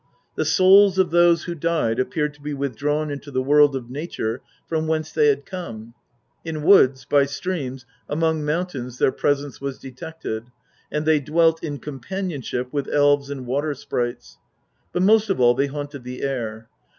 The souls of those who died appeared to be withdrawn into the world of nature from whence they had come ; in woods, by streams, among mountains their presence was detected, and they dwelt in companion ship with elves and watersprites, but most of all they haunted the air.